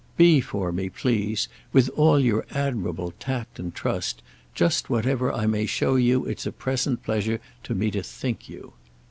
Be for me, please, with all your admirable tact and trust, just whatever I may show you it's a present pleasure to me to think you."